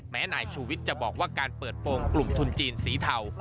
นายชูวิทย์จะบอกว่าการเปิดโปรงกลุ่มทุนจีนสีเทา